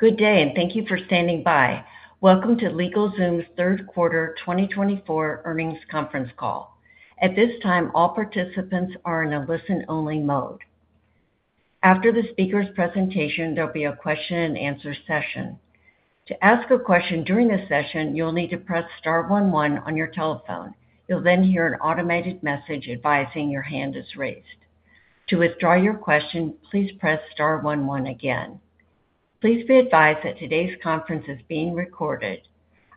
Good day, and thank you for standing by. Welcome to LegalZoom's 3rd quarter 2024 earnings conference call. At this time, all participants are in a listen-only mode. After the speaker's presentation, there'll be a question-and-answer session. To ask a question during this session, you'll need to press star one one on your telephone. You'll then hear an automated message advising your hand is raised. To withdraw your question, please press star one one again. Please be advised that today's conference is being recorded.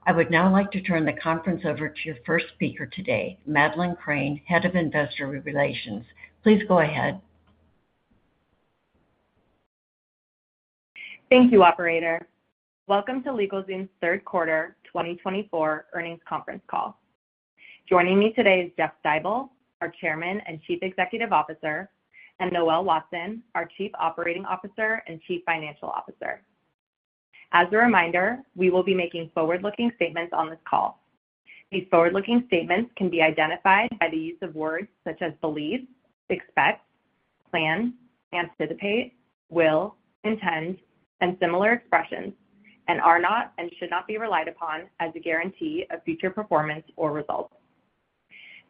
I would now like to turn the conference over to your 1st speaker today, Madeleine Crane, Head of Investor Relations. Please go ahead. Thank you, Operator. Welcome to LegalZoom's 3rd quarter 2024 earnings conference call. Joining me today is Jeff Stibel, our Chairman and Chief Executive Officer, and Noel Watson, our Chief Operating Officer and Chief Financial Officer. As a reminder, we will be making forward-looking statements on this call. These forward-looking statements can be identified by the use of words such as believe, expect, plan, anticipate, will, intend, and similar expressions, and are not and should not be relied upon as a guarantee of future performance or results.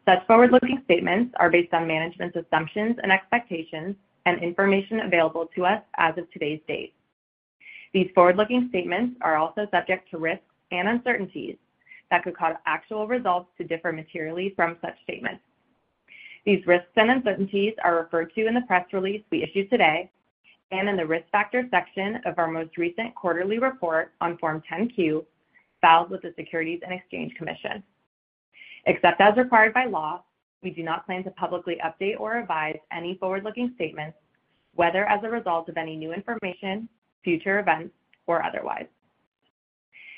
Such forward-looking statements are based on management's assumptions and expectations and information available to us as of today's date. These forward-looking statements are also subject to risks and uncertainties that could cause actual results to differ materially from such statements. These risks and uncertainties are referred to in the press release we issued today and in the risk factor section of our most recent quarterly report on Form 10-Q filed with the Securities and Exchange Commission. Except as required by law, we do not plan to publicly update or revise any forward-looking statements, whether as a result of any new information, future events, or otherwise.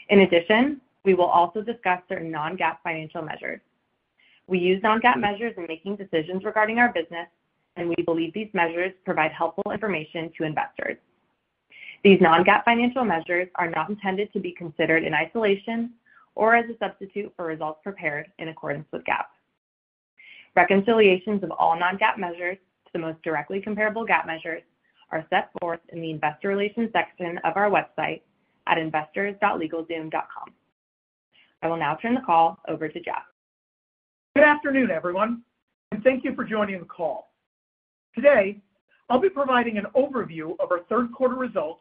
In addition, we will also discuss certain non-GAAP financial measures. We use non-GAAP measures in making decisions regarding our business, and we believe these measures provide helpful information to investors. These non-GAAP financial measures are not intended to be considered in isolation or as a substitute for results prepared in accordance with GAAP. Reconciliations of all non-GAAP measures to the most directly comparable GAAP measures are set forth in the Investor Relations section of our website at investors.legalzoom.com. I will now turn the call over to Jeff. Good afternoon, everyone, and thank you for joining the call. Today, I'll be providing an overview of our 3rd quarter results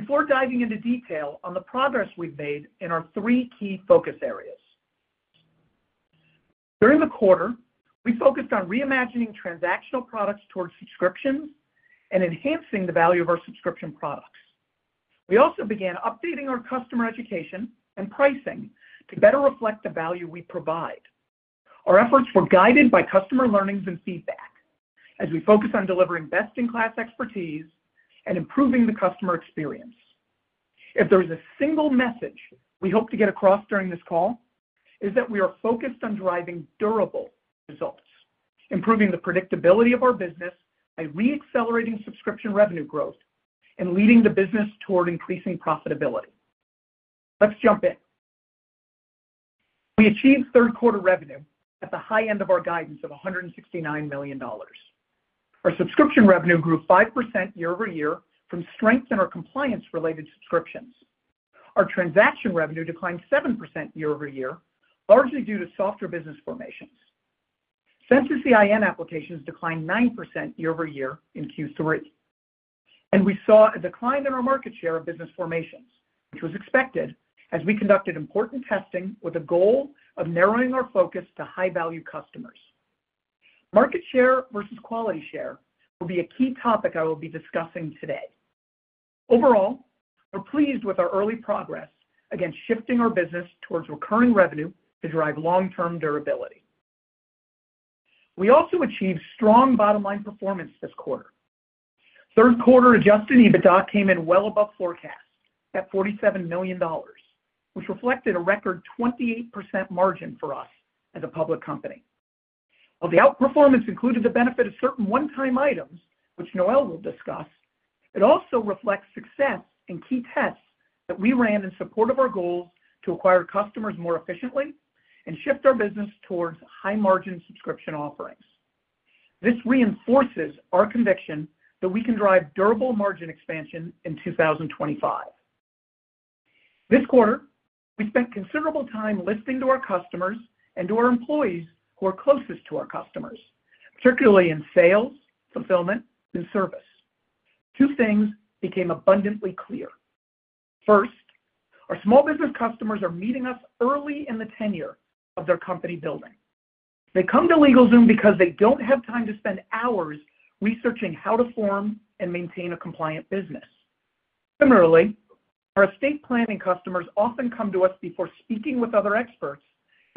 before diving into detail on the progress we've made in our three key focus areas. During the quarter, we focused on reimagining transactional products towards subscriptions and enhancing the value of our subscription products. We also began updating our customer education and pricing to better reflect the value we provide. Our efforts were guided by customer learnings and feedback as we focused on delivering best-in-class expertise and improving the customer experience. If there is a single message we hope to get across during this call, it is that we are focused on driving durable results, improving the predictability of our business by re-accelerating subscription revenue growth and leading the business toward increasing profitability. Let's jump in. We achieved 3rd quarter revenue at the high end of our guidance of $169 million. Our subscription revenue grew 5% year-over-year from strength in our compliance-related subscriptions. Our transaction revenue declined 7% year-over-year, largely due to softer business formations. Census EIN applications declined 9% year-over-year in Q3, and we saw a decline in our market share of business formations, which was expected as we conducted important testing with a goal of narrowing our focus to high-value customers. Market share versus quality share will be a key topic I will be discussing today. Overall, we're pleased with our early progress against shifting our business towards recurring revenue to drive long-term durability. We also achieved strong bottom-line performance this quarter. Third quarter Adjusted EBITDA came in well above forecast at $47 million, which reflected a record 28% margin for us as a public company. While the outperformance included the benefit of certain one-time items, which Noel will discuss, it also reflects success in key tests that we ran in support of our goals to acquire customers more efficiently and shift our business towards high-margin subscription offerings. This reinforces our conviction that we can drive durable margin expansion in 2025. This quarter, we spent considerable time listening to our customers and to our employees who are closest to our customers, particularly in sales, fulfillment, and service. Two things became abundantly clear. First, our small business customers are meeting us early in the tenure of their company building. They come to LegalZoom because they don't have time to spend hours researching how to form and maintain a compliant business. Similarly, our estate planning customers often come to us before speaking with other experts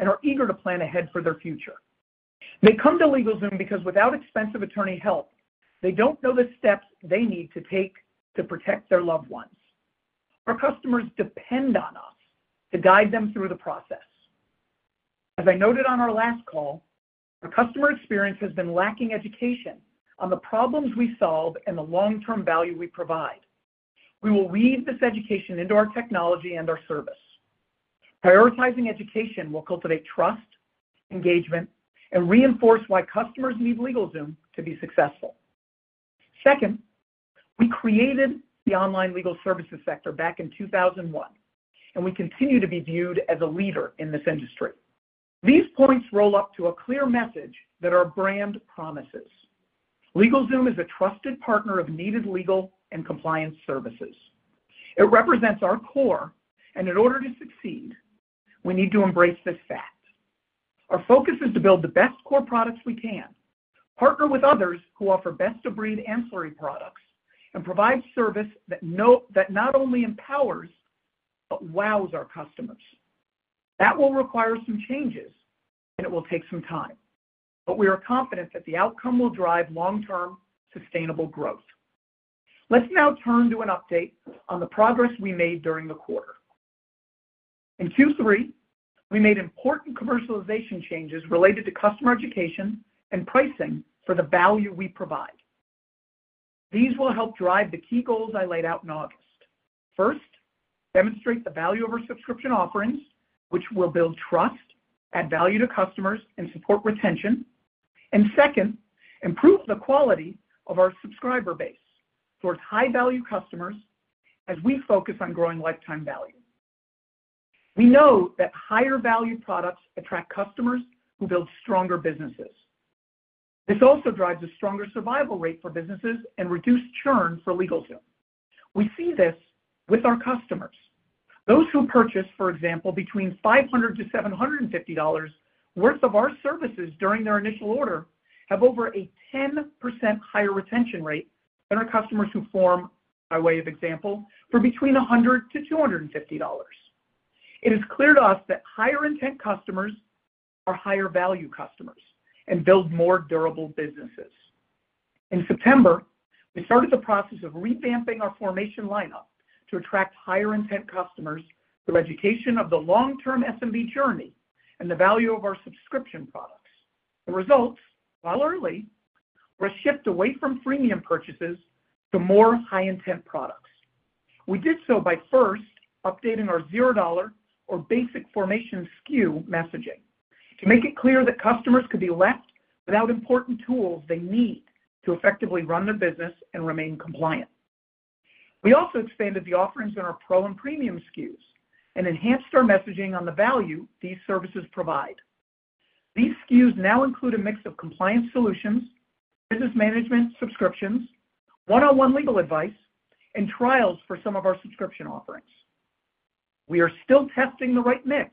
and are eager to plan ahead for their future. They come to LegalZoom because without expensive attorney help, they don't know the steps they need to take to protect their loved ones. Our customers depend on us to guide them through the process. As I noted on our last call, our customer experience has been lacking education on the problems we solve and the long-term value we provide. We will weave this education into our technology and our service. Prioritizing education will cultivate trust, engagement, and reinforce why customers need LegalZoom to be successful. Second, we created the online legal services sector back in 2001, and we continue to be viewed as a leader in this industry. These points roll up to a clear message that our brand promises. LegalZoom is a trusted partner of needed legal and compliance services. It represents our core, and in order to succeed, we need to embrace this fact. Our focus is to build the best core products we can, partner with others who offer best-of-breed ancillary products, and provide service that not only empowers but wows our customers. That will require some changes, and it will take some time, but we are confident that the outcome will drive long-term sustainable growth. Let's now turn to an update on the progress we made during the quarter. In Q3, we made important commercialization changes related to customer education and pricing for the value we provide. These will help drive the key goals I laid out in August. 1st, demonstrate the value of our subscription offerings, which will build trust, add value to customers, and support retention. And 2nd, improve the quality of our subscriber base towards high-value customers as we focus on growing lifetime value. We know that higher-value products attract customers who build stronger businesses. This also drives a stronger survival rate for businesses and reduced churn for LegalZoom. We see this with our customers. Those who purchase, for example, between $500-$750 worth of our services during their initial order have over a 10% higher retention rate than our customers who form, by way of example, for between $100-$250. It is clear to us that higher-intent customers are higher-value customers and build more durable businesses. In September, we started the process of revamping our formation lineup to attract higher-intent customers through education of the long-term SMB journey and the value of our subscription products. The results, while early, were a shift away from freemium purchases to more high-intent products. We did so by first updating our $0 or Basic formation SKU messaging to make it clear that customers could be left without important tools they need to effectively run their business and remain compliant. We also expanded the offerings in our Pro and Premium SKUs and enhanced our messaging on the value these services provide. These SKUs now include a mix of compliance solutions, business management subscriptions, one-on-one legal advice, and trials for some of our subscription offerings. We are still testing the right mix,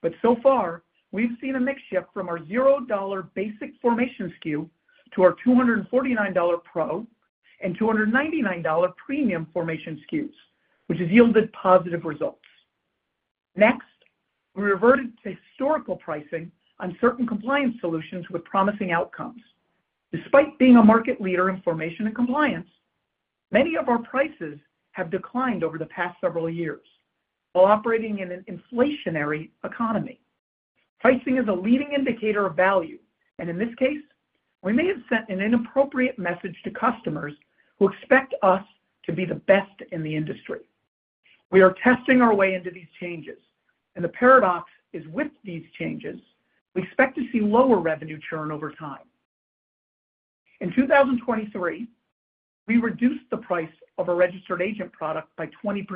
but so far, we've seen a mix shift from our $0 Basic formation SKU to our $249 Pro and $299 Premium formation SKUs, which has yielded positive results. Next, we reverted to historical pricing on certain compliance solutions with promising outcomes. Despite being a market leader in formation and compliance, many of our prices have declined over the past several years while operating in an inflationary economy. Pricing is a leading indicator of value, and in this case, we may have sent an inappropriate message to customers who expect us to be the best in the industry. We are testing our way into these changes, and the paradox is with these changes, we expect to see lower revenue churn over time. In 2023, we reduced the price of our registered agent product by 20%.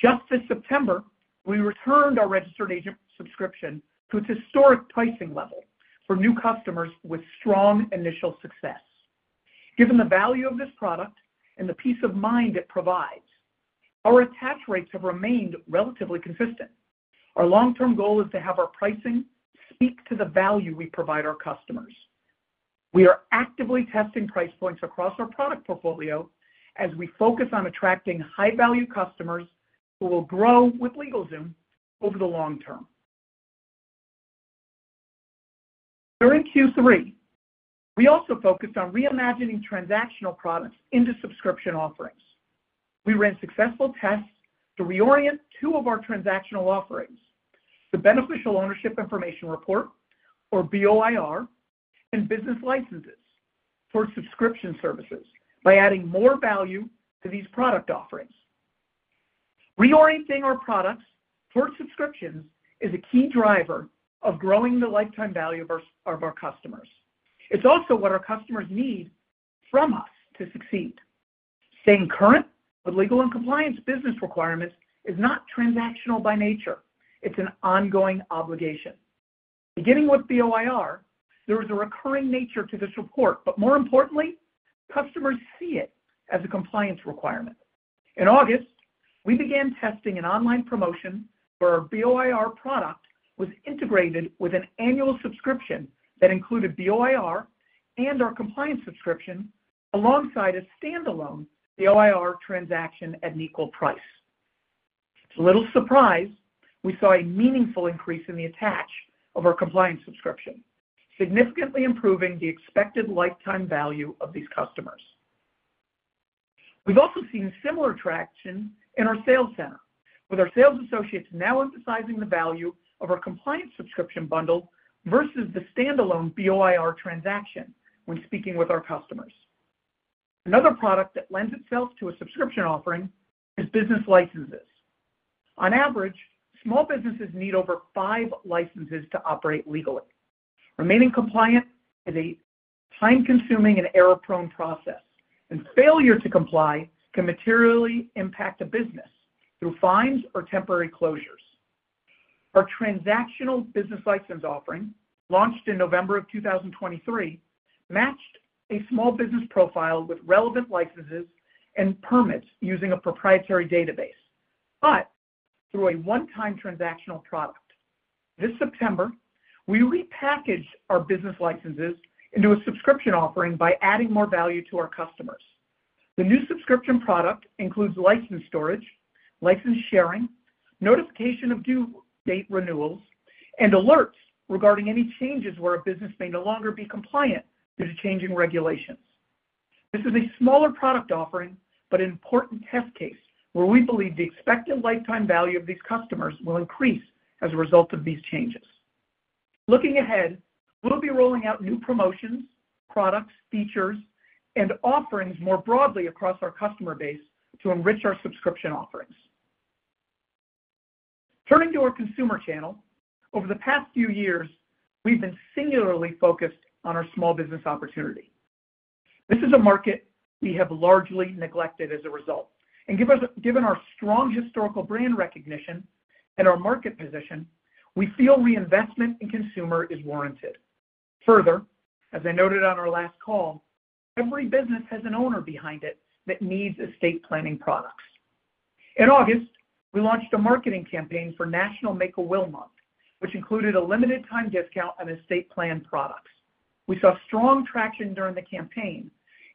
Just this September, we returned our registered agent subscription to its historic pricing level for new customers with strong initial success. Given the value of this product and the peace of mind it provides, our attach rates have remained relatively consistent. Our long-term goal is to have our pricing speak to the value we provide our customers. We are actively testing price points across our product portfolio as we focus on attracting high-value customers who will grow with LegalZoom over the long term. During Q3, we also focused on reimagining transactional products into subscription offerings. We ran successful tests to reorient two of our transactional offerings, the Beneficial Ownership Information Report, or BOIR, and business licenses towards subscription services by adding more value to these product offerings. Reorienting our products towards subscriptions is a key driver of growing the lifetime value of our customers. It's also what our customers need from us to succeed. Staying current with legal and compliance business requirements is not transactional by nature. It's an ongoing obligation. Beginning with BOIR, there is a recurring nature to this report, but more importantly, customers see it as a compliance requirement. In August, we began testing an online promotion where our BOIR product was integrated with an annual subscription that included BOIR and our compliance subscription alongside a standalone BOIR transaction at an equal price. To little surprise, we saw a meaningful increase in the attach of our compliance subscription, significantly improving the expected lifetime value of these customers. We've also seen similar traction in our sales center, with our sales associates now emphasizing the value of our compliance subscription bundle versus the standalone BOIR transaction when speaking with our customers. Another product that lends itself to a subscription offering is business licenses. On average, small businesses need over five licenses to operate legally. Remaining compliant is a time-consuming and error-prone process, and failure to comply can materially impact a business through fines or temporary closures. Our transactional business license offering, launched in November of 2023, matched a small business profile with relevant licenses and permits using a proprietary database, but through a one-time transactional product. This September, we repackaged our business licenses into a subscription offering by adding more value to our customers. The new subscription product includes license storage, license sharing, notification of due date renewals, and alerts regarding any changes where a business may no longer be compliant due to changing regulations. This is a smaller product offering but an important test case where we believe the expected lifetime value of these customers will increase as a result of these changes. Looking ahead, we'll be rolling out new promotions, products, features, and offerings more broadly across our customer base to enrich our subscription offerings. Turning to our consumer channel, over the past few years, we've been singularly focused on our small business opportunity. This is a market we have largely neglected as a result, and given our strong historical brand recognition and our market position, we feel reinvestment in consumer is warranted. Further, as I noted on our last call, every business has an owner behind it that needs estate planning products. In August, we launched a marketing campaign for National Make-a-Will Month, which included a limited-time discount on estate plan products. We saw strong traction during the campaign,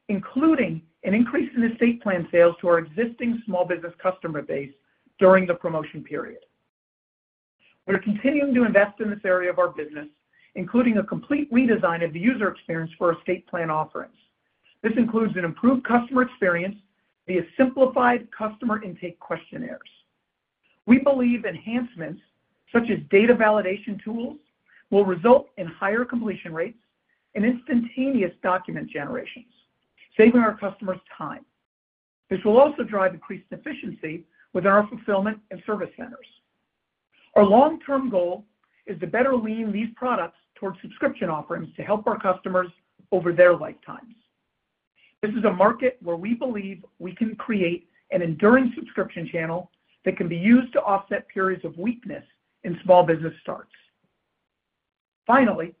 including an increase in estate plan sales to our existing small business customer base during the promotion period. We're continuing to invest in this area of our business, including a complete redesign of the user experience for estate plan offerings. This includes an improved customer experience via simplified customer intake questionnaires. We believe enhancements such as data validation tools will result in higher completion rates and instantaneous document generations, saving our customers time. This will also drive increased efficiency within our fulfillment and service centers. Our long-term goal is to better lean these products towards subscription offerings to help our customers over their lifetimes. This is a market where we believe we can create an enduring subscription channel that can be used to offset periods of weakness in small business starts. Finally,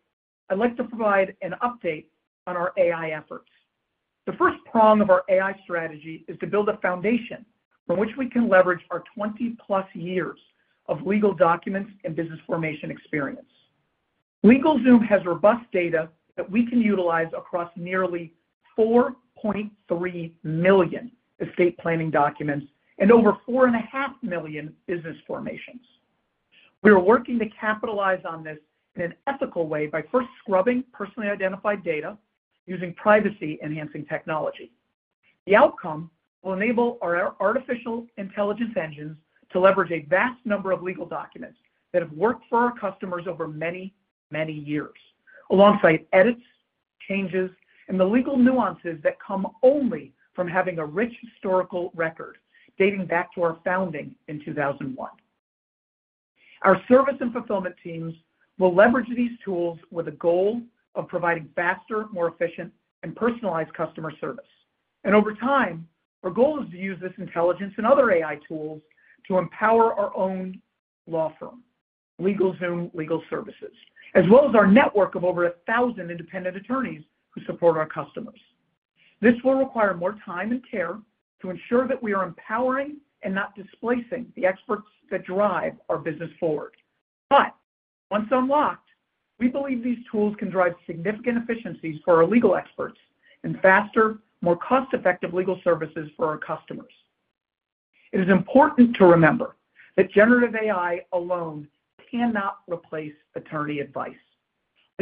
I'd like to provide an update on our AI efforts. The first prong of our AI strategy is to build a foundation from which we can leverage our 20-plus years of legal documents and business formation experience. LegalZoom has robust data that we can utilize across nearly 4.3 million estate planning documents and over 4.5 million business formations. We are working to capitalize on this in an ethical way by first scrubbing personally identified data using privacy-enhancing technology. The outcome will enable our artificial intelligence engines to leverage a vast number of legal documents that have worked for our customers over many, many years, alongside edits, changes, and the legal nuances that come only from having a rich historical record dating back to our founding in 2001. Our service and fulfillment teams will leverage these tools with a goal of providing faster, more efficient, and personalized customer service, and over time, our goal is to use this intelligence and other AI tools to empower our own law firm, LegalZoom Legal Services, as well as our network of over 1,000 independent attorneys who support our customers. This will require more time and care to ensure that we are empowering and not displacing the experts that drive our business forward. But once unlocked, we believe these tools can drive significant efficiencies for our legal experts and faster, more cost-effective legal services for our customers. It is important to remember that generative AI alone cannot replace attorney advice.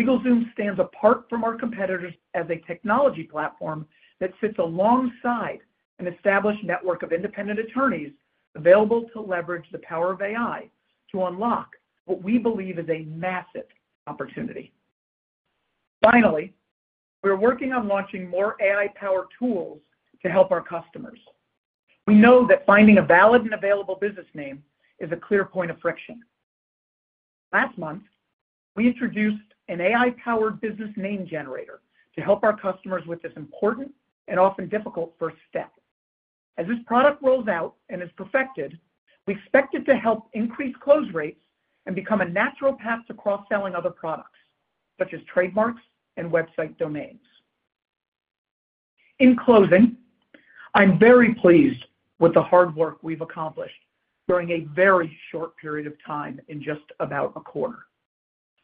LegalZoom stands apart from our competitors as a technology platform that sits alongside an established network of independent attorneys available to leverage the power of AI to unlock what we believe is a massive opportunity. Finally, we are working on launching more AI-powered tools to help our customers. We know that finding a valid and available business name is a clear point of friction. Last month, we introduced an AI-powered business name generator to help our customers with this important and often difficult first step. As this product rolls out and is perfected, we expect it to help increase close rates and become a natural path to cross-selling other products, such as trademarks and website domains. In closing, I'm very pleased with the hard work we've accomplished during a very short period of time in just about a quarter.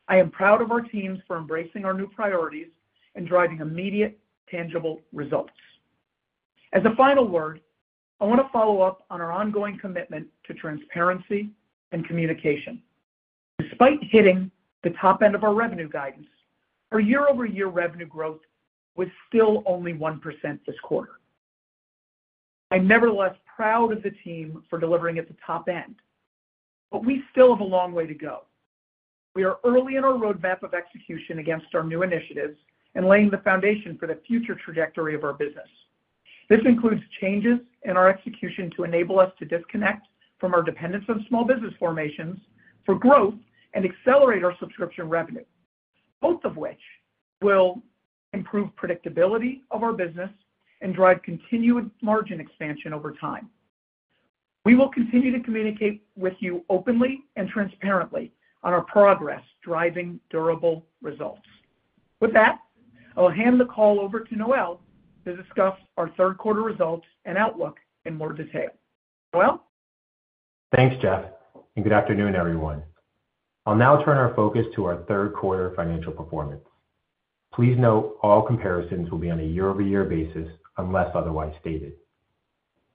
I am proud of our teams for embracing our new priorities and driving immediate, tangible results. As a final word, I want to follow up on our ongoing commitment to transparency and communication. Despite hitting the top end of our revenue guidance, our year-over-year revenue growth was still only 1% this quarter. I'm nevertheless proud of the team for delivering at the top end, but we still have a long way to go. We are early in our roadmap of execution against our new initiatives and laying the foundation for the future trajectory of our business. This includes changes in our execution to enable us to disconnect from our dependence on small business formations for growth and accelerate our subscription revenue, both of which will improve predictability of our business and drive continued margin expansion over time. We will continue to communicate with you openly and transparently on our progress, driving durable results. With that, I'll hand the call over to Noel to discuss our 3rd quarter results and outlook in more detail. Noel? Thanks, Jeff, and good afternoon, everyone. I'll now turn our focus to our 3rd quarter financial performance. Please note all comparisons will be on a year-over-year basis unless otherwise stated.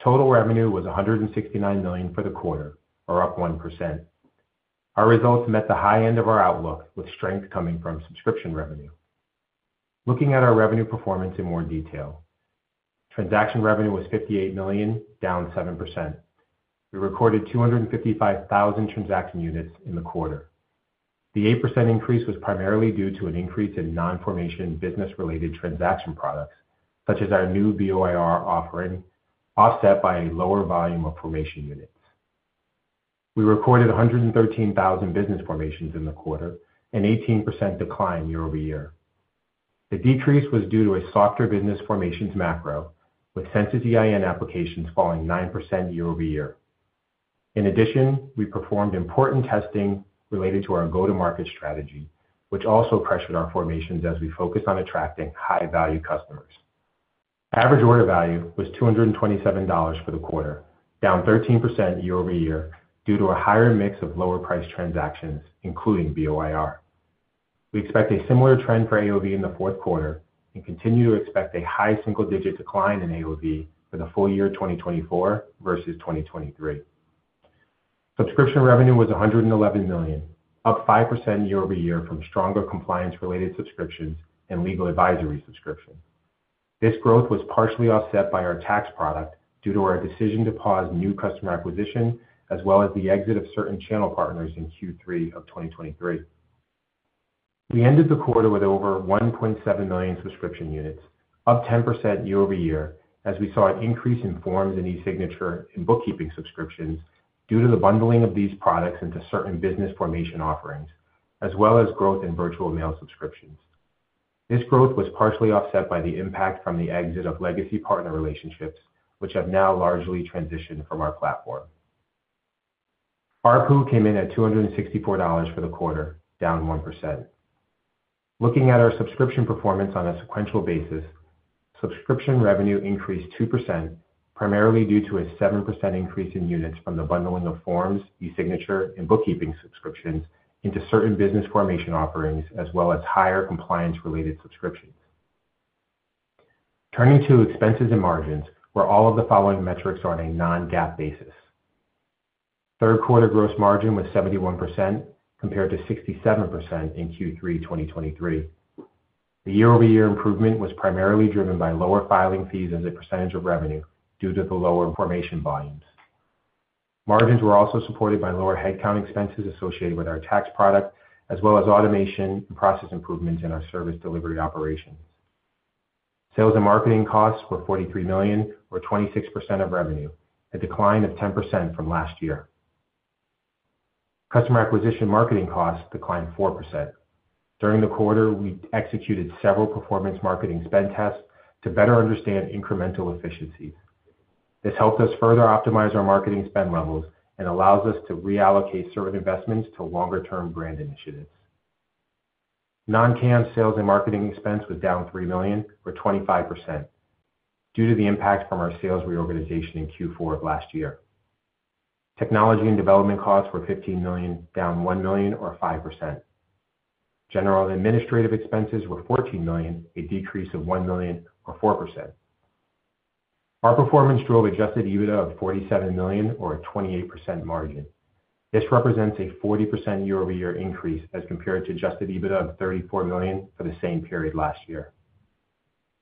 Total revenue was $169 million for the quarter, or up 1%. Our results met the high end of our outlook, with strength coming from subscription revenue. Looking at our revenue performance in more detail, transaction revenue was $58 million, down 7%. We recorded 255,000 transaction units in the quarter. The 8% increase was primarily due to an increase in non-formation business-related transaction products, such as our new BOIR offering, offset by a lower volume of formation units. We recorded 113,000 business formations in the quarter, an 18% decline year-over-year. The decrease was due to a softer business formations macro, with Census EIN applications falling 9% year-over-year. In addition, we performed important testing related to our go-to-market strategy, which also pressured our formations as we focused on attracting high-value customers. Average order value was $227 for the quarter, down 13% year-over-year due to a higher mix of lower-priced transactions, including BOIR. We expect a similar trend for AOV in the 4th quarter and continue to expect a high single-digit decline in AOV for the full year 2024 versus 2023. Subscription revenue was $111 million, up 5% year-over-year from stronger compliance-related subscriptions and legal advisory subscriptions. This growth was partially offset by our tax product due to our decision to pause new customer acquisition as well as the exit of certain channel partners in Q3 of 2023. We ended the quarter with over 1.7 million subscription units, up 10% year-over-year, as we saw an increase in forms and e-signature and bookkeeping subscriptions due to the bundling of these products into certain business formation offerings, as well as growth in virtual mail subscriptions. This growth was partially offset by the impact from the exit of legacy partner relationships, which have now largely transitioned from our platform. ARPU came in at $264 for the quarter, down 1%. Looking at our subscription performance on a sequential basis, subscription revenue increased 2%, primarily due to a 7% increase in units from the bundling of forms, e-signature, and bookkeeping subscriptions into certain business formation offerings, as well as higher compliance-related subscriptions. Turning to expenses and margins, where all of the following metrics are on a non-GAAP basis. 3rd-quarter gross margin was 71% compared to 67% in Q3 2023. The year-over-year improvement was primarily driven by lower filing fees as a percentage of revenue due to the lower formation volumes. Margins were also supported by lower headcount expenses associated with our tax product, as well as automation and process improvements in our service delivery operations. Sales and marketing costs were $43 million, or 26% of revenue, a decline of 10% from last year. Customer acquisition marketing costs declined 4%. During the quarter, we executed several performance marketing spend tests to better understand incremental efficiencies. This helped us further optimize our marketing spend levels and allows us to reallocate certain investments to longer-term brand initiatives. Non-CAM sales and marketing expense was down $3 million, or 25%, due to the impact from our sales reorganization in Q4 of last year. Technology and development costs were $15 million, down $1 million, or 5%. General administrative expenses were $14 million, a decrease of $1 million, or 4%. Our performance drove Adjusted EBITDA of $47 million, or a 28% margin. This represents a 40% year-over-year increase as compared to Adjusted EBITDA of $34 million for the same period last year.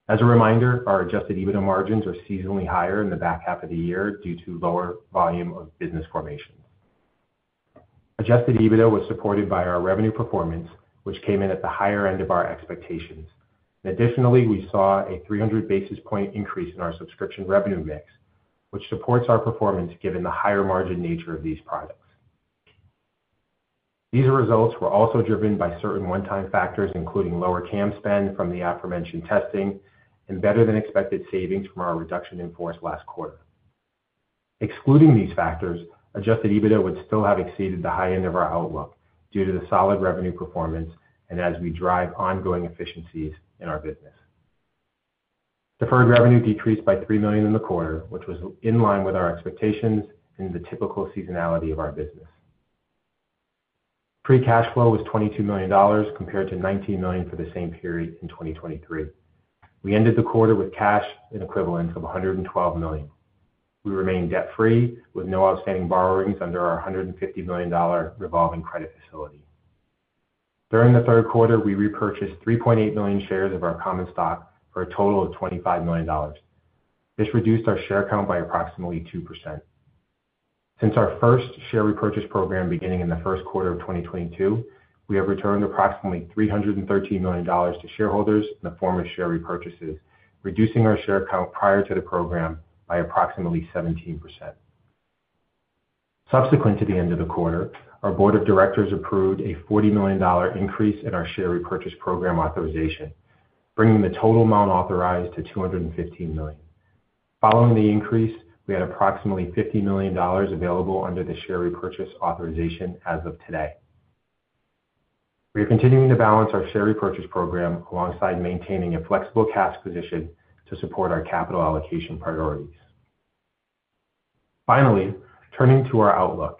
As a reminder, our Adjusted EBITDA margins are seasonally higher in the back half of the year due to lower volume of business formations. Adjusted EBITDA was supported by our revenue performance, which came in at the higher end of our expectations. Additionally, we saw a 300 basis point increase in our subscription revenue mix, which supports our performance given the higher margin nature of these products. These results were also driven by certain one-time factors, including lower CAM spend from the aforementioned testing and better-than-expected savings from our reduction in force last quarter. Excluding these factors, adjusted EBITDA would still have exceeded the high end of our outlook due to the solid revenue performance and as we drive ongoing efficiencies in our business. Deferred revenue decreased by $3 million in the quarter, which was in line with our expectations and the typical seasonality of our business. Free cash flow was $22 million compared to $19 million for the same period in 2023. We ended the quarter with cash and cash equivalents of $112 million. We remained debt-free with no outstanding borrowings under our $150 million revolving credit facility. During the 3rd quarter, we repurchased 3.8 million shares of our common stock for a total of $25 million. This reduced our share count by approximately 2%. Since our first share repurchase program beginning in the 1st quarter of 2022, we have returned approximately $313 million to shareholders in the form of share repurchases, reducing our share count prior to the program by approximately 17%. Subsequent to the end of the quarter, our board of directors approved a $40 million increase in our share repurchase program authorization, bringing the total amount authorized to $215 million. Following the increase, we had approximately $50 million available under the share repurchase authorization as of today. We are continuing to balance our share repurchase program alongside maintaining a flexible cash position to support our capital allocation priorities. Finally, turning to our outlook,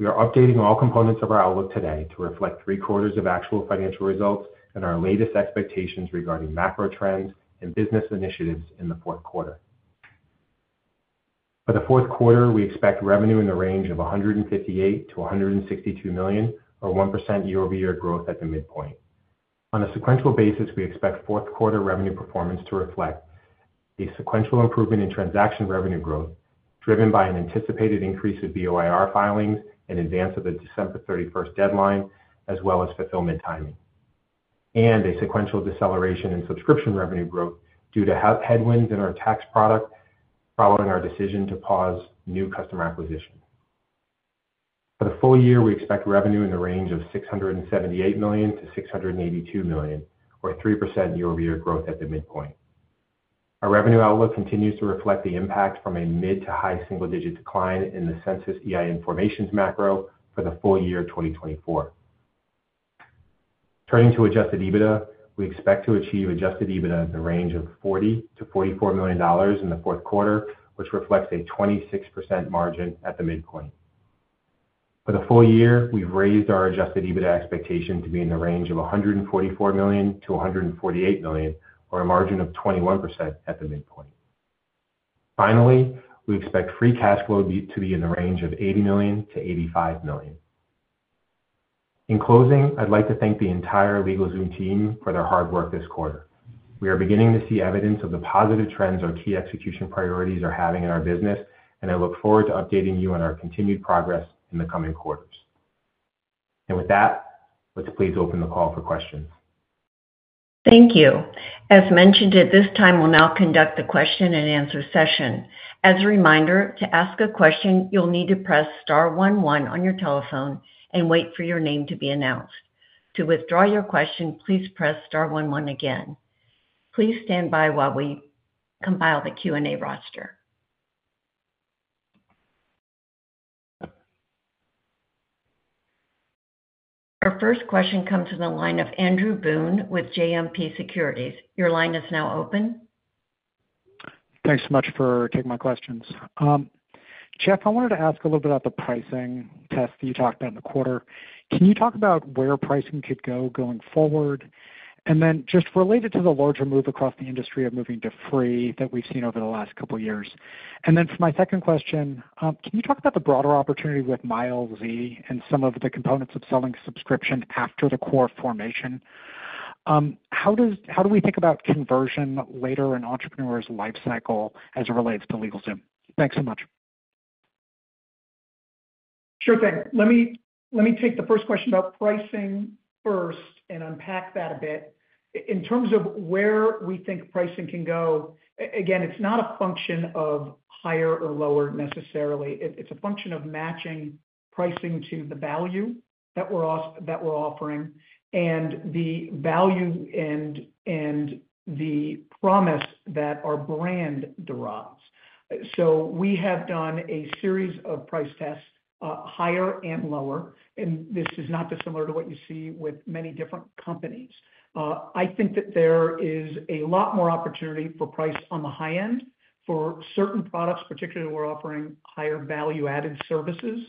we are updating all components of our outlook today to reflect three quarters of actual financial results and our latest expectations regarding macro trends and business initiatives in the 4th quarter. For the 4th quarter, we expect revenue in the range of $158-$162 million, or 1% year-over-year growth at the midpoint. On a sequential basis, we expect 4th quarter revenue performance to reflect a sequential improvement in transaction revenue growth driven by an anticipated increase of BOIR filings in advance of the December 31st deadline, as well as fulfillment timing, and a sequential deceleration in subscription revenue growth due to headwinds in our tax product following our decision to pause new customer acquisition. For the full year, we expect revenue in the range of $678-$682 million, or 3% year-over-year growth at the midpoint. Our revenue outlook continues to reflect the impact from a mid to high single-digit decline in the Census EIN formations macro for the full year 2024. Turning to Adjusted EBITDA, we expect to achieve Adjusted EBITDA in the range of $40-$44 million in the 4th quarter, which reflects a 26% margin at the midpoint. For the full year, we've raised our Adjusted EBITDA expectation to be in the range of $144-$148 million, or a margin of 21% at the midpoint. Finally, we expect free cash flow to be in the range of $80-$85 million. In closing, I'd like to thank the entire LegalZoom team for their hard work this quarter. We are beginning to see evidence of the positive trends our key execution priorities are having in our business, and I look forward to updating you on our continued progress in the coming quarters, and with that, let's please open the call for questions. Thank you. As mentioned, at this time, we'll now conduct the question-and-answer session. As a reminder, to ask a question, you'll need to press star one one on your telephone and wait for your name to be announced. To withdraw your question, please press star one one again. Please stand by while we compile the Q&A roster. Our first question comes from the line of Andrew Boone with JMP Securities. Your line is now open. Thanks so much for taking my questions. Jeff, I wanted to ask a little bit about the pricing test that you talked about in the quarter. Can you talk about where pricing could go going forward? And then just related to the larger move across the industry of moving to free that we've seen over the last couple of years. And then for my 2nd question, can you talk about the broader opportunity with MyLZ and some of the components of selling subscription after the core formation? How do we think about conversion later in entrepreneurs' lifecycle as it relates to LegalZoom? Thanks so much. Sure thing. Let me take the 1st question about pricing first and unpack that a bit. In terms of where we think pricing can go, again, it's not a function of higher or lower necessarily. It's a function of matching pricing to the value that we're offering and the value and the promise that our brand derives. So we have done a series of price tests, higher and lower, and this is not dissimilar to what you see with many different companies. I think that there is a lot more opportunity for price on the high end for certain products, particularly we're offering higher value-added services,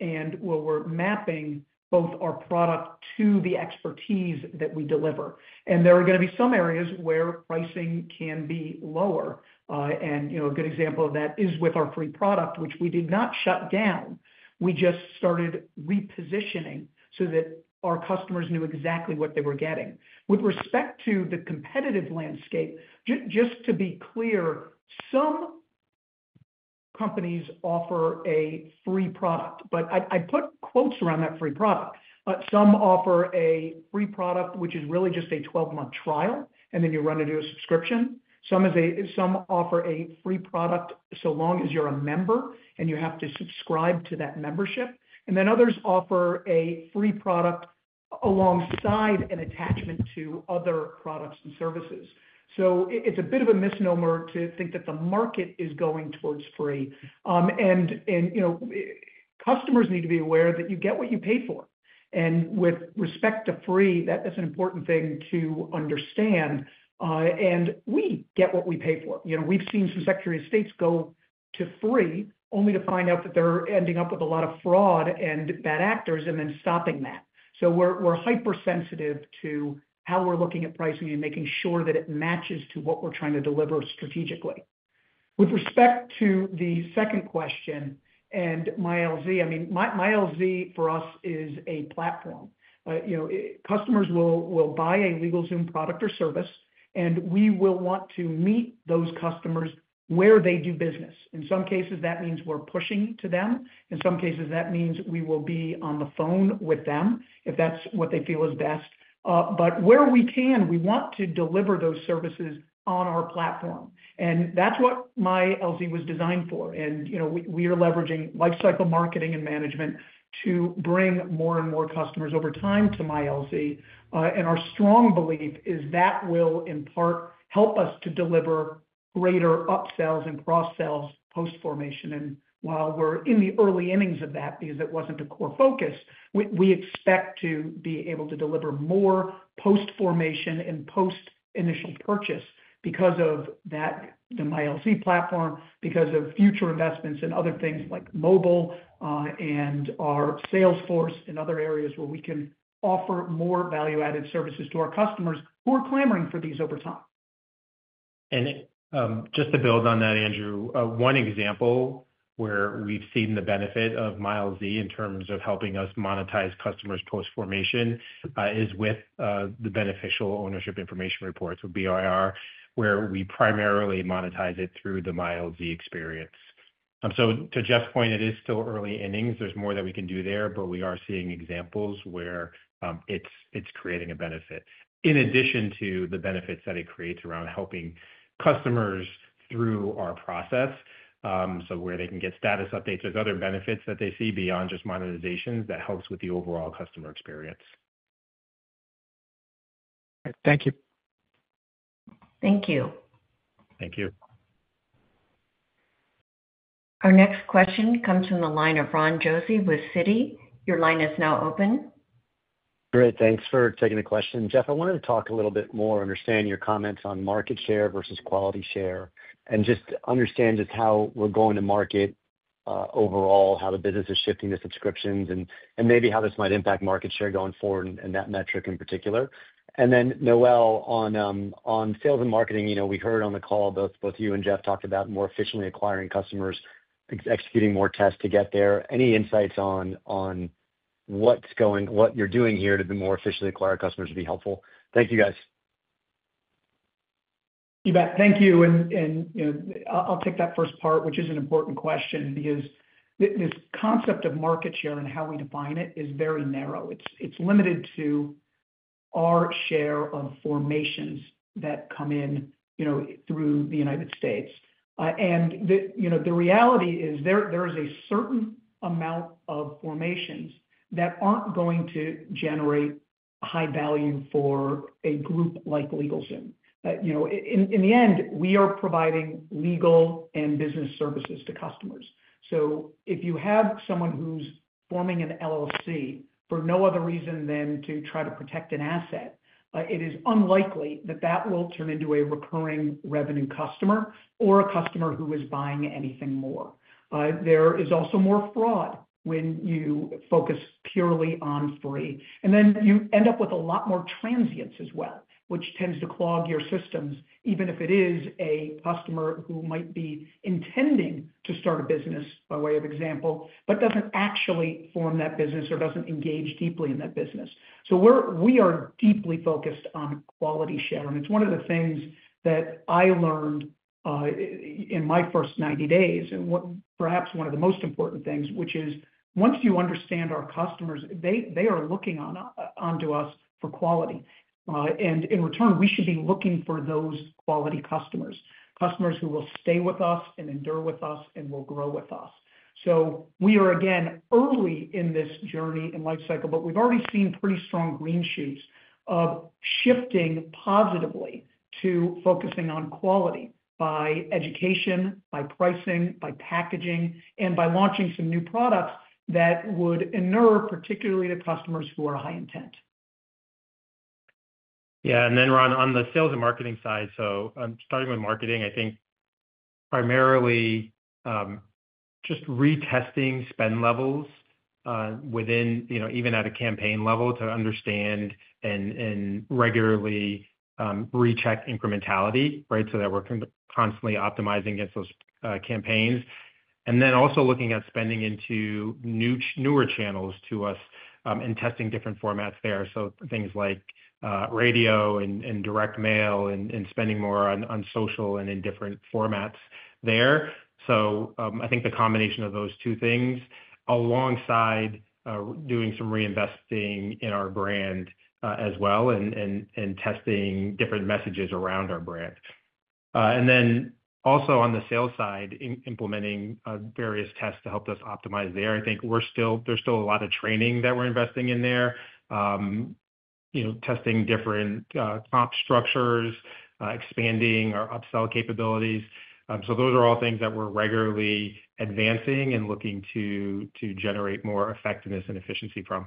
and where we're mapping both our product to the expertise that we deliver, and there are going to be some areas where pricing can be lower, and a good example of that is with our free product, which we did not shut down. We just started repositioning so that our customers knew exactly what they were getting. With respect to the competitive landscape, just to be clear, some companies offer a free product, but I put quotes around that free product. Some offer a free product, which is really just a 12-month trial, and then you run into a subscription. Some offer a free product so long as you're a member and you have to subscribe to that membership. And then others offer a free product alongside an attachment to other products and services. So it's a bit of a misnomer to think that the market is going towards free. And customers need to be aware that you get what you pay for. And with respect to free, that's an important thing to understand. And we get what we pay for. We've seen some Secretaries of State go to free only to find out that they're ending up with a lot of fraud and bad actors and then stopping that. So we're hypersensitive to how we're looking at pricing and making sure that it matches to what we're trying to deliver strategically. With respect to the 2nd question on MyLZ, I mean, MyLZ for us is a platform. Customers will buy a LegalZoom product or service, and we will want to meet those customers where they do business. In some cases, that means we're pushing to them. In some cases, that means we will be on the phone with them if that's what they feel is best. But where we can, we want to deliver those services on our platform. And that's what MyLZ was designed for. And we are leveraging lifecycle marketing and management to bring more and more customers over time to MyLZ. And our strong belief is that will in part help us to deliver greater upsells and cross-sells post-formation. And while we're in the early innings of that, because it wasn't a core focus, we expect to be able to deliver more post-formation and post-initial purchase because of the MyLZ platform, because of future investments in other things like mobile and our sales force and other areas where we can offer more value-added services to our customers who are clamoring for these over time. And just to build on that, Andrew, one example where we've seen the benefit of MyLZ in terms of helping us monetize customers post-formation is with the beneficial ownership information reports with BOIR, where we primarily monetize it through the MyLZ experience. So to Jeff's point, it is still early innings. There's more that we can do there, but we are seeing examples where it's creating a benefit. In addition to the benefits that it creates around helping customers through our process, so where they can get status updates, there's other benefits that they see beyond just monetization that helps with the overall customer experience. All right. Thank you. Thank you. Thank you. Our next question comes from the line of Ron Josey with Citi. Your line is now open. Great. Thanks for taking the question. Jeff, I wanted to talk a little bit more, understand your comments on market share versus quality share, and just understand just how we're going to market overall, how the business is shifting the subscriptions, and maybe how this might impact market share going forward and that metric in particular. And then Noel, on sales and marketing, we heard on the call, both you and Jeff talked about more efficiently acquiring customers, executing more tests to get there. Any insights on what you're doing here to be more efficiently acquiring customers would be helpful? Thank you, guys. You bet. Thank you. And I'll take that 1st part, which is an important question, because this concept of market share and how we define it is very narrow. It's limited to our share of formations that come in through the United States. And the reality is there is a certain amount of formations that aren't going to generate high value for a group like LegalZoom. In the end, we are providing legal and business services to customers. So if you have someone who's forming an LLC for no other reason than to try to protect an asset, it is unlikely that that will turn into a recurring revenue customer or a customer who is buying anything more. There is also more fraud when you focus purely on free. And then you end up with a lot more transients as well, which tends to clog your systems, even if it is a customer who might be intending to start a business, by way of example, but doesn't actually form that business or doesn't engage deeply in that business. So we are deeply focused on quality share. And it's one of the things that I learned in my first 90 days, and perhaps one of the most important things, which is once you understand our customers, they are looking onto us for quality. And in return, we should be looking for those quality customers, customers who will stay with us and endure with us and will grow with us. So we are, again, early in this journey and lifecycle, but we've already seen pretty strong green shoots of shifting positively to focusing on quality by education, by pricing, by packaging, and by launching some new products that would endear particularly to customers who are high intent. Yeah. And then, Ron, on the sales and marketing side, so starting with marketing, I think primarily just retesting spend levels within even at a campaign level to understand and regularly recheck incrementality, right, so that we're constantly optimizing against those campaigns. And then also looking at spending into newer channels to us and testing different formats there. So things like radio and direct mail and spending more on social and in different formats there. So I think the combination of those two things alongside doing some reinvesting in our brand as well and testing different messages around our brand. And then also on the sales side, implementing various tests to help us optimize there. I think there's still a lot of training that we're investing in there, testing different comp structures, expanding our upsell capabilities. So those are all things that we're regularly advancing and looking to generate more effectiveness and efficiency from.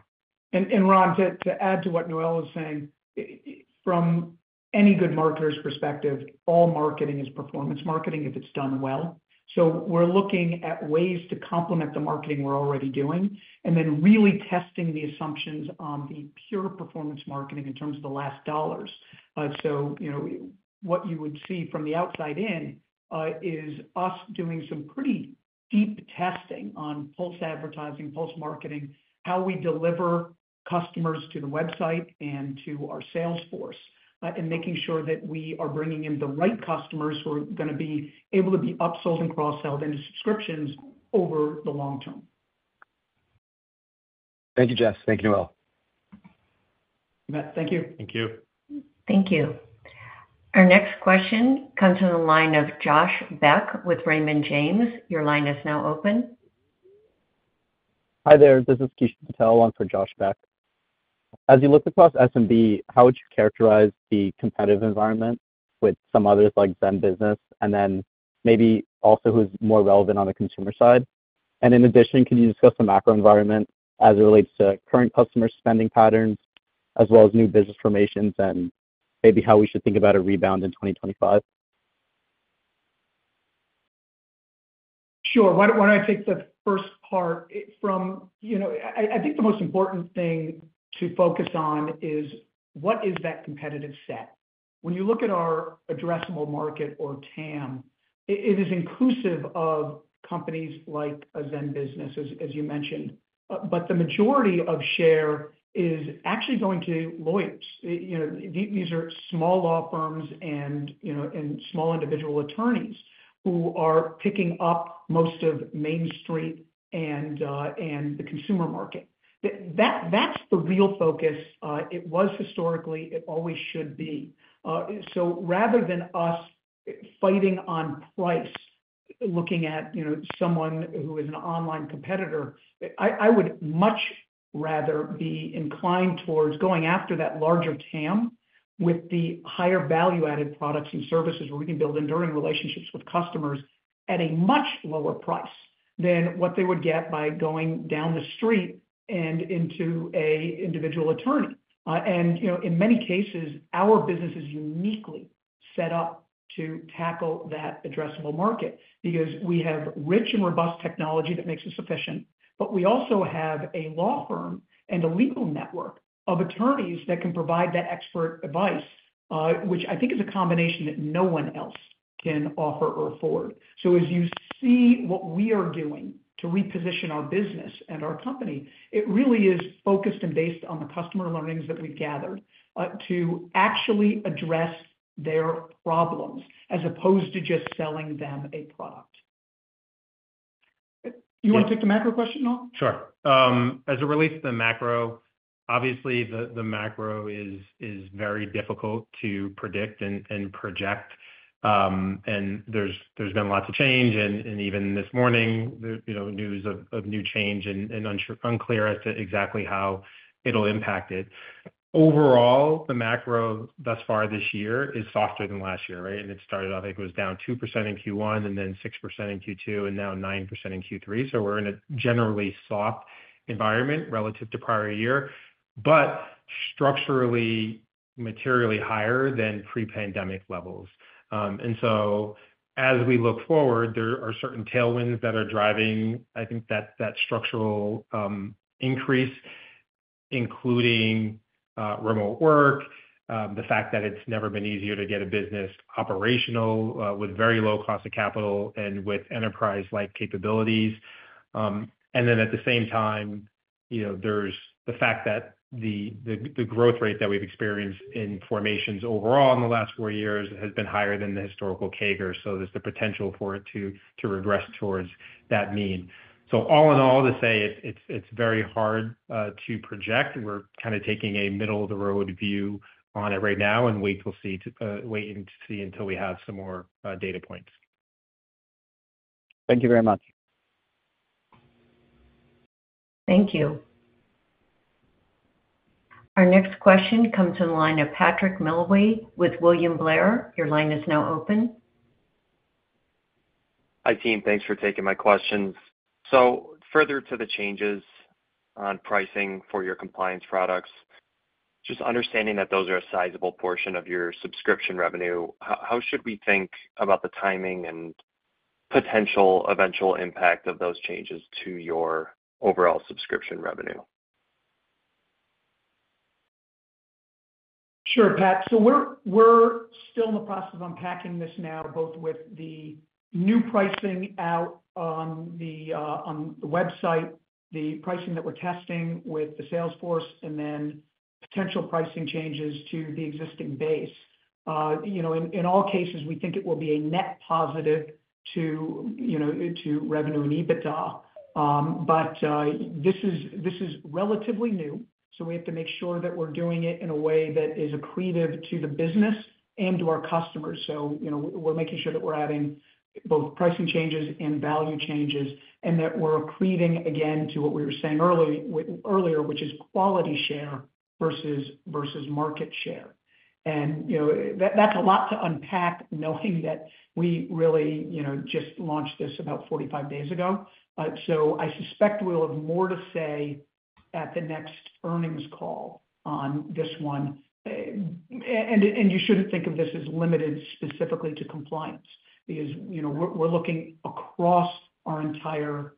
And Ron, to add to what Noel was saying, from any good marketer's perspective, all marketing is performance marketing if it's done well. So we're looking at ways to complement the marketing we're already doing and then really testing the assumptions on the pure performance marketing in terms of the last dollars. So what you would see from the outside in is us doing some pretty deep testing on post-advertising, post-marketing, how we deliver customers to the website and to our sales force, and making sure that we are bringing in the right customers who are going to be able to be upsold and cross-sold into subscriptions over the long term. Thank you, Jeff. Thank you, Noel. You bet. Thank you. Thank you. Thank you. Our next question comes from the line of Josh Beck with Raymond James. Your line is now open. Hi there. This is Kishan Patel on for Josh Beck. As you look across SMB, how would you characterize the competitive environment with some others like ZenBusiness, and then maybe also who's more relevant on the consumer side? And in addition, can you discuss the macro environment as it relates to current customer spending patterns, as well as new business formations, and maybe how we should think about a rebound in 2025? Sure. Why don't I take the first part? I think the most important thing to focus on is what is that competitive set? When you look at our addressable market or TAM, it is inclusive of companies like ZenBusiness, as you mentioned, but the majority of share is actually going to lawyers. These are small law firms and small individual attorneys who are picking up most of Main Street and the consumer market. That's the real focus. It was historically, it always should be. So rather than us fighting on price, looking at someone who is an online competitor, I would much rather be inclined towards going after that larger TAM with the higher value-added products and services where we can build enduring relationships with customers at a much lower price than what they would get by going down the street and into an individual attorney. And in many cases, our business is uniquely set up to tackle that addressable market because we have rich and robust technology that makes us efficient, but we also have a law firm and a legal network of attorneys that can provide that expert advice, which I think is a combination that no one else can offer or afford. As you see what we are doing to reposition our business and our company, it really is focused and based on the customer learnings that we've gathered to actually address their problems as opposed to just selling them a product. You want to take the macro question, Noel? Sure. As it relates to the macro, obviously, the macro is very difficult to predict and project. There's been lots of change. Even this morning, news of new change and unclear as to exactly how it'll impact it. Overall, the macro thus far this year is softer than last year, right? It started, I think it was down 2% in Q1 and then 6% in Q2 and now 9% in Q3. We're in a generally soft environment relative to prior year, but structurally, materially higher than pre-pandemic levels. And so as we look forward, there are certain tailwinds that are driving, I think, that structural increase, including remote work. The fact that it's never been easier to get a business operational with very low cost of capital and with enterprise-like capabilities. And then at the same time, there's the fact that the growth rate that we've experienced in formations overall in the last four years has been higher than the historical CAGR. So there's the potential for it to regress towards that mean. So all in all, to say, it's very hard to project. We're kind of taking a middle-of-the-road view on it right now and waiting to see until we have some more data points. Thank you very much. Thank you. Our next question comes from the line of Patrick Nally with William Blair. Your line is now open. Hi, team. Thanks for taking my questions. So further to the changes on pricing for your compliance products, just understanding that those are a sizable portion of your subscription revenue, how should we think about the timing and potential eventual impact of those changes to your overall subscription revenue? Sure, Pat. So we're still in the process of unpacking this now, both with the new pricing out on the website, the pricing that we're testing with the sales force, and then potential pricing changes to the existing base. In all cases, we think it will be a net positive to revenue and EBITDA. But this is relatively new, so we have to make sure that we're doing it in a way that is accretive to the business and to our customers. So we're making sure that we're adding both pricing changes and value changes and that we're accreting, again, to what we were saying earlier, which is quality share versus market share. And that's a lot to unpack knowing that we really just launched this about 45 days ago. So I suspect we'll have more to say at the next earnings call on this one. And you shouldn't think of this as limited specifically to compliance because we're looking across our entire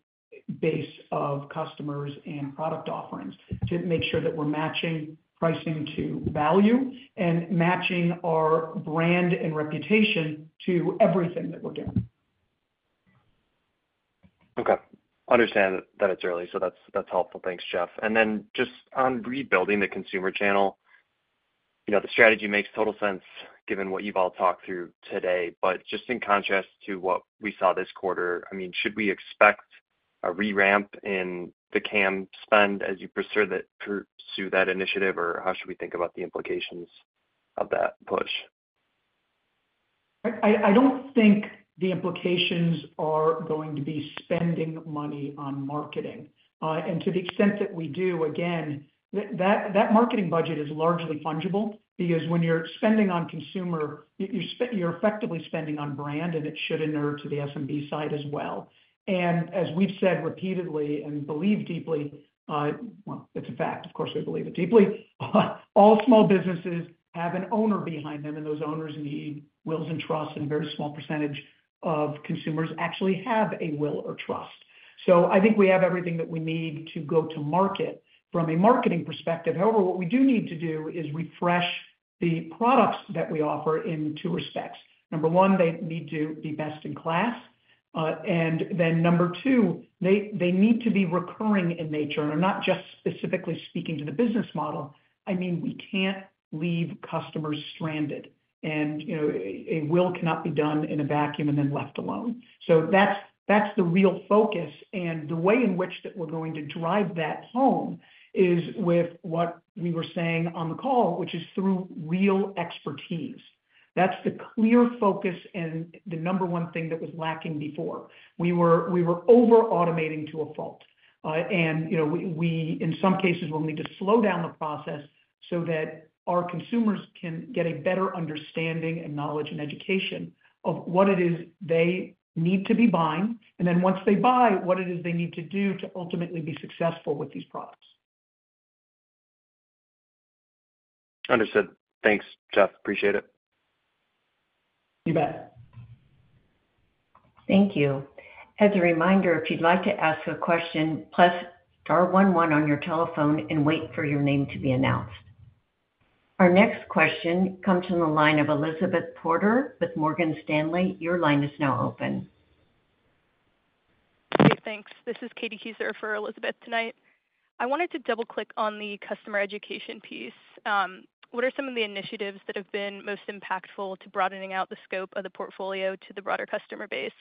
base of customers and product offerings to make sure that we're matching pricing to value and matching our brand and reputation to everything that we're doing. Okay. Understand that it's early, so that's helpful. Thanks, Jeff. And then just on rebuilding the consumer channel, the strategy makes total sense given what you've all talked through today. But just in contrast to what we saw this quarter, I mean, should we expect a reramp in the CAM spend as you pursue that initiative, or how should we think about the implications of that push? I don't think the implications are going to be spending money on marketing. And to the extent that we do, again, that marketing budget is largely fungible because when you're spending on consumer, you're effectively spending on brand, and it should inure to the SMB side as well. And as we've said repeatedly and believe deeply, well, it's a fact. Of course, we believe it deeply. All small businesses have an owner behind them, and those owners need wills and trusts, and a very small percentage of consumers actually have a will or trust. So I think we have everything that we need to go to market from a marketing perspective. However, what we do need to do is refresh the products that we offer in two respects. Number one, they need to be best in class, and then number two, they need to be recurring in nature, and I'm not just specifically speaking to the business model. I mean, we can't leave customers stranded, and a will cannot be done in a vacuum and then left alone, so that's the real focus, and the way in which that we're going to drive that home is with what we were saying on the call, which is through real expertise. That's the clear focus and the number one thing that was lacking before. We were over-automating to a fault. And we, in some cases, will need to slow down the process so that our consumers can get a better understanding and knowledge and education of what it is they need to be buying, and then once they buy, what it is they need to do to ultimately be successful with these products. Understood. Thanks, Jeff. Appreciate it. You bet. Thank you. As a reminder, if you'd like to ask a question, press star one one on your telephone and wait for your name to be announced. Our next question comes from the line of Elizabeth Porter with Morgan Stanley. Your line is now open. Thanks. This is Katie Keyser for Elizabeth tonight. I wanted to double-click on the customer education piece. What are some of the initiatives that have been most impactful to broadening out the scope of the portfolio to the broader customer base?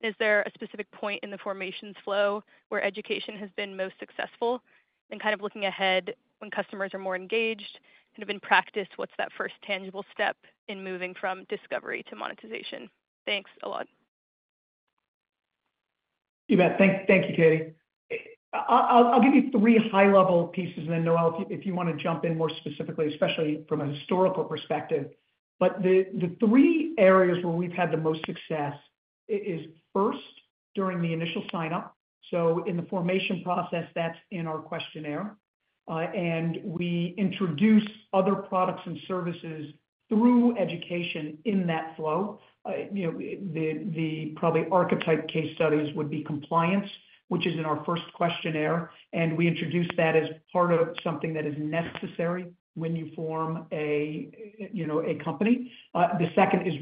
Is there a specific point in the formations flow where education has been most successful? And kind of looking ahead when customers are more engaged, kind of in practice, what's that first tangible step in moving from discovery to monetization? Thanks a lot. You bet. Thank you, Katie. I'll give you three high-level pieces, and then, Noel, if you want to jump in more specifically, especially from a historical perspective, but the three areas where we've had the most success is 1st during the initial sign-up, so in the formation process, that's in our questionnaire, and we introduce other products and services through education in that flow. The prototypical archetype case studies would be compliance, which is in our 1st questionnaire, and we introduce that as part of something that is necessary when you form a company. The 2nd is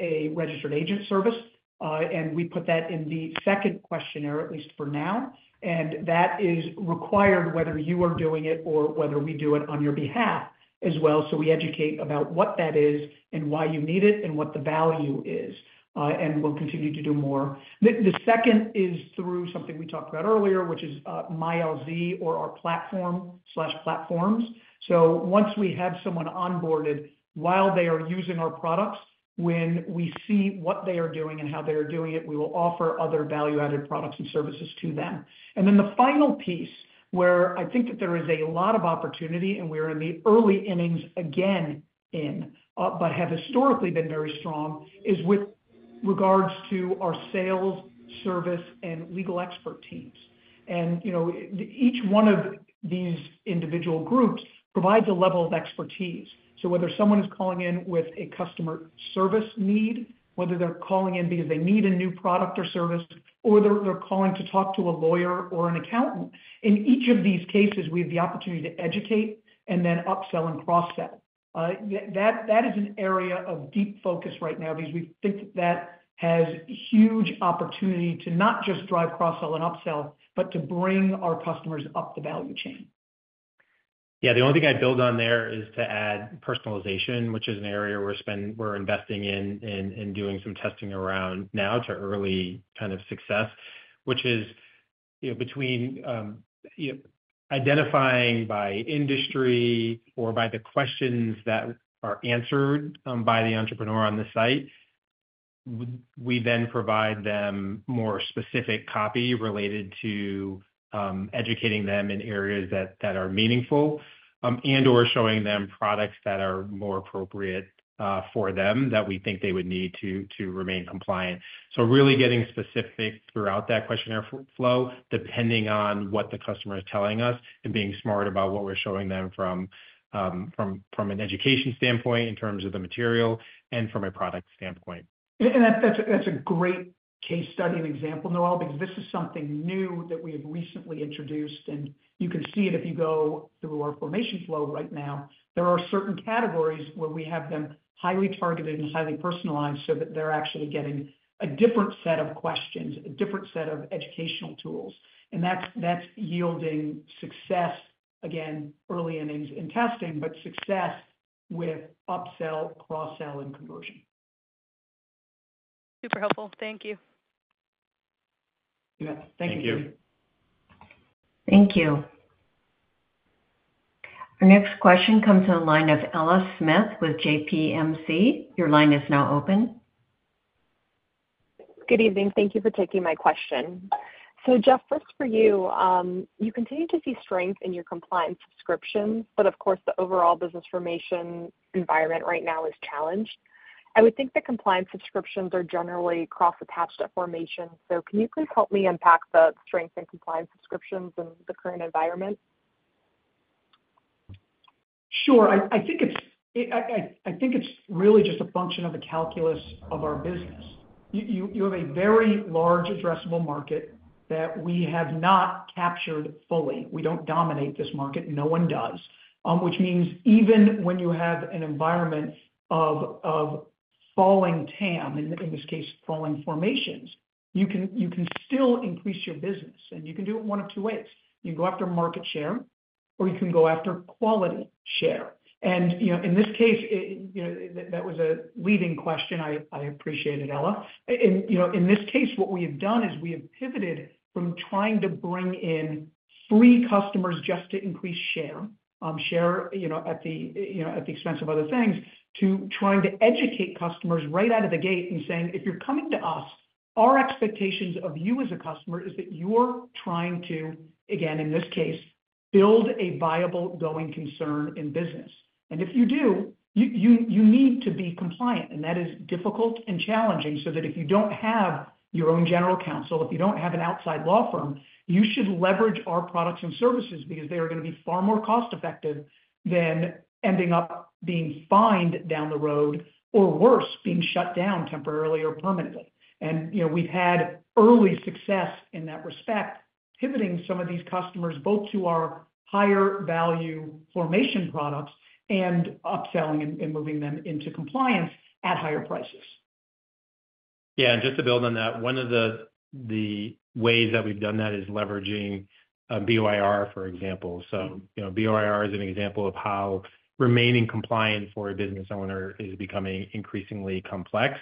a registered agent service. And we put that in the 2nd questionnaire, at least for now. And that is required whether you are doing it or whether we do it on your behalf as well. So we educate about what that is and why you need it and what the value is. And we'll continue to do more. The 2nd is through something we talked about earlier, which is MyLZ or our platform/platforms. So once we have someone onboarded while they are using our products, when we see what they are doing and how they are doing it, we will offer other value-added products and services to them. And then the final piece where I think that there is a lot of opportunity, and we are in the early innings again in, but have historically been very strong, is with regards to our sales, service, and legal expert teams. Each one of these individual groups provides a level of expertise. Whether someone is calling in with a customer service need, whether they're calling in because they need a new product or service, or they're calling to talk to a lawyer or an accountant, in each of these cases, we have the opportunity to educate and then upsell and cross-sell. That is an area of deep focus right now because we think that that has huge opportunity to not just drive cross-sell and upsell, but to bring our customers up the value chain. Yeah. The only thing I'd build on there is to add personalization, which is an area we're investing in and doing some testing around now to early kind of success, which is between identifying by industry or by the questions that are answered by the entrepreneur on the site. We then provide them more specific copy related to educating them in areas that are meaningful and/or showing them products that are more appropriate for them that we think they would need to remain compliant. So really getting specific throughout that questionnaire flow, depending on what the customer is telling us and being smart about what we're showing them from an education standpoint in terms of the material and from a product standpoint. And that's a great case study and example, Noel, because this is something new that we have recently introduced. And you can see it if you go through our formation flow right now. There are certain categories where we have them highly targeted and highly personalized so that they're actually getting a different set of questions, a different set of educational tools. And that's yielding success, again, early innings in testing, but success with upsell, cross-sell, and conversion. Super helpful. Thank you. You bet. Thank you. Thank you. Thank you. Our next question comes from the line of Ella Smith with JPMC. Your line is now open. Good evening. Thank you for taking my question. So, Jeff, first for you, you continue to see strength in your compliance subscriptions, but of course, the overall business formation environment right now is challenged. I would think that compliance subscriptions are generally cross-attached at formation. So can you please help me unpack the strength in compliance subscriptions and the current environment? Sure. I think it's really just a function of the calculus of our business. You have a very large addressable market that we have not captured fully. We don't dominate this market. No one does. Which means even when you have an environment of falling TAM, in this case, falling formations, you can still increase your business. And you can do it one of two ways. You can go after market share, or you can go after quality share. And in this case, that was a leading question. I appreciate it, Ella. In this case, what we have done is we have pivoted from trying to bring in free customers just to increase share, share at the expense of other things, to trying to educate customers right out of the gate and saying, "If you're coming to us, our expectations of you as a customer is that you're trying to, again, in this case, build a viable going concern in business. And if you do, you need to be compliant. And that is difficult and challenging. So that if you don't have your own general counsel, if you don't have an outside law firm, you should leverage our products and services because they are going to be far more cost-effective than ending up being fined down the road or worse, being shut down temporarily or permanently." And we've had early success in that respect, pivoting some of these customers both to our higher value formation products and upselling and moving them into compliance at higher prices. Yeah. And just to build on that, one of the ways that we've done that is leveraging BOIR, for example. So BOIR is an example of how remaining compliant for a business owner is becoming increasingly complex.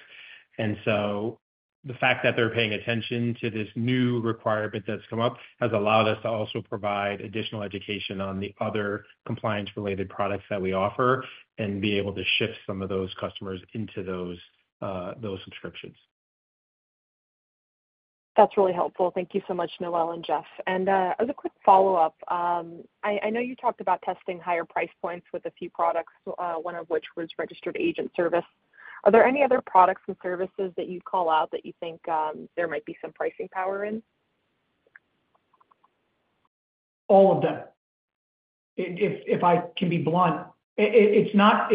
And so the fact that they're paying attention to this new requirement that's come up has allowed us to also provide additional education on the other compliance-related products that we offer and be able to shift some of those customers into those subscriptions. That's really helpful. Thank you so much, Noel and Jeff. And as a quick follow-up, I know you talked about testing higher price points with a few products, one of which was registered agent service. Are there any other products and services that you call out that you think there might be some pricing power in? All of them. If I can be blunt, it's not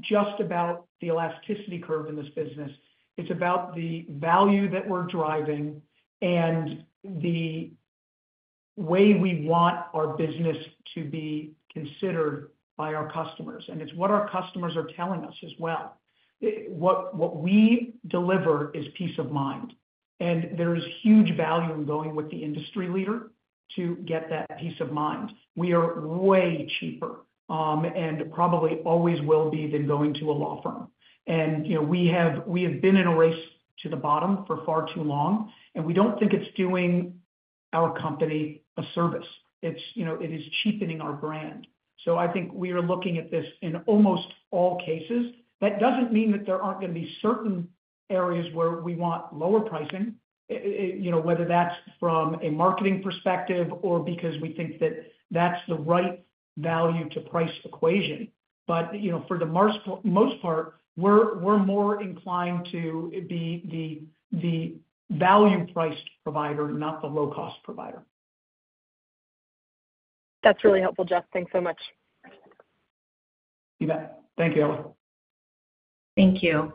just about the elasticity curve in this business. It's about the value that we're driving and the way we want our business to be considered by our customers. And it's what our customers are telling us as well. What we deliver is peace of mind. And there is huge value in going with the industry leader to get that peace of mind. We are way cheaper and probably always will be than going to a law firm. And we have been in a race to the bottom for far too long. And we don't think it's doing our company a service. It is cheapening our brand. So I think we are looking at this in almost all cases. That doesn't mean that there aren't going to be certain areas where we want lower pricing, whether that's from a marketing perspective or because we think that that's the right value-to-price equation. But for the most part, we're more inclined to be the value-priced provider, not the low-cost provider. That's really helpful, Jeff. Thanks so much. You bet. Thank you, Ella. Thank you.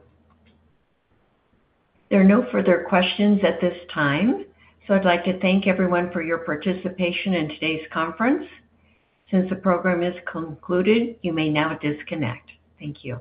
There are no further questions at this time. So I'd like to thank everyone for your participation in today's conference. Since the program is concluded, you may now disconnect. Thank you.